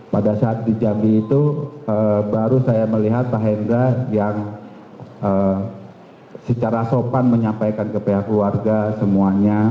pada saat di jambi itu baru saya melihat pak hendra yang secara sopan menyampaikan ke pihak keluarga semuanya